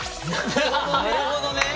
なるほどね。